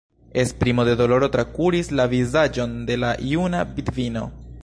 Esprimo de doloro trakuris la vizaĝon de la juna vidvino.